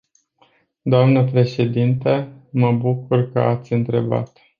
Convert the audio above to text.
Dnă președintă, mă bucur că ați întrebat.